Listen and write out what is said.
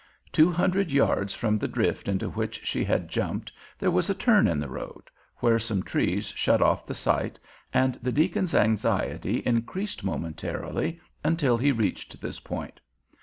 Two hundred yards from the drift into which she had jumped there was a turn in the road, where some trees shut off the sight, and the deacon's anxiety increased momentarily until he reached this point.